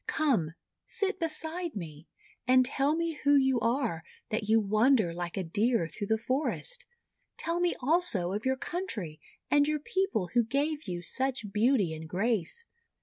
Come, sit beside me, and tell me who you are, that you wander like a Deer through the forest. Tell me also of your country, and your people who gave you such beauty and grace.